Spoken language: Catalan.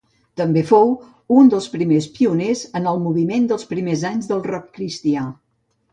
També fou un dels primers pioners en el moviment dels primers anys del rock cristià.